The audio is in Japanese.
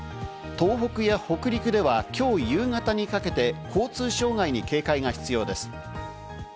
東北や北陸では、きょう夕方にかけて交通障害に警戒が必要です。